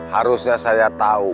harusnya saya tahu